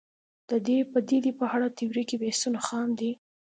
د دې پدیدې په اړه تیوریکي بحثونه خام دي